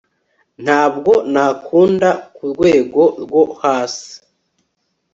ntabwo nakunda kurwego rwo hasi